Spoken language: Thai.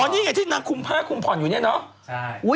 อ๋อนี่ไงที่มีผ้าคุมผ่อนอยู่เนี่ยแหละ